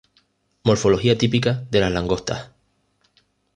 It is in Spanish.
Morfología típica de las langostas.